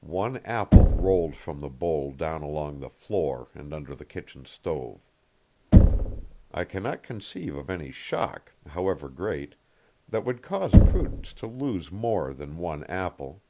One apple rolled from the bowl down along the floor and under the kitchen stove. I cannot conceive of any shock, however great, that would cause Prudence to lose more than one apple.